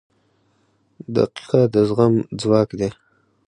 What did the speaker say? • دقیقه د زغم ځواک دی.